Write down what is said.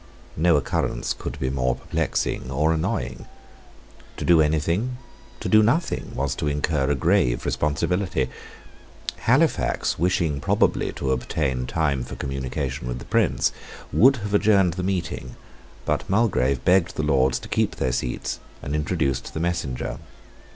No occurrence could be more perplexing or annoying. To do anything, to do nothing, was to incur a grave responsibility. Halifax, wishing probably to obtain time for communication with the Prince, would have adjourned the meeting; but Mulgrave begged the Lords to keep their seats, and introduced the messenger.